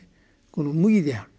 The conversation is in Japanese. この「無義」である。